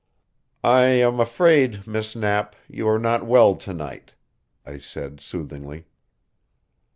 "I am afraid, Miss Knapp, you are not well tonight," I said soothingly.